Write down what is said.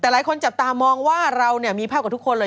แต่หลายคนจับตามองว่าเราเนี่ยมีภาพกับทุกคนเลย